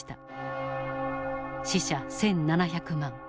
死者１，７００万。